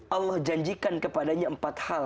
allah janjikan kepadanya empat hal